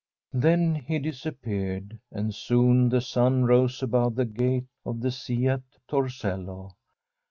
Then he disappeared; and soon the sun rose above the gate of the sea at Torcello.